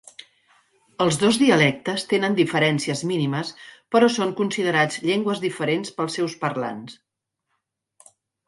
Els dos dialectes tenen diferències mínimes però són considerats llengües diferents pels seus parlants.